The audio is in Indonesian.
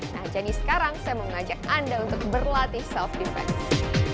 nah jadi sekarang saya mau ngajak anda untuk berlatih self defense